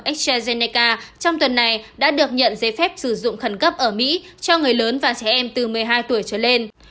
estrazeneca trong tuần này đã được nhận giấy phép sử dụng khẩn cấp ở mỹ cho người lớn và trẻ em từ một mươi hai tuổi trở lên